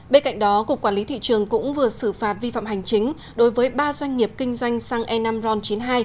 bên cạnh đó cục quản lý thị trường cũng vừa xử phạt vi phạm hành chính đối với ba doanh nghiệp kinh doanh xăng e năm ron chín mươi hai